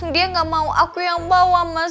dia gak mau aku yang bawa mas